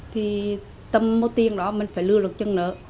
thì tâm mô tiên đó mình phải lừa được chân nợ